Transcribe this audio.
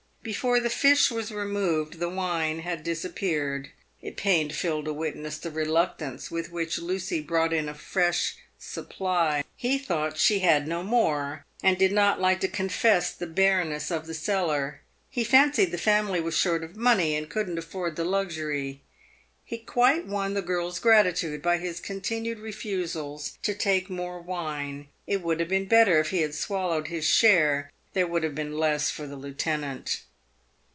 Before the fish was removed the wine had disappeared. It pained Phil to witness the reluctance w r ith which Lucy brought in a fresh supply. He thought she had no more, and did not like to confess the barenness of the cellar ; he fancied the family was short of money, and couldn't afford the luxury. He quite won the girl's gratitude by his continued refusals to take more wine. It would have been better if he had swallowed his share ; there would have been less for the lieutenant.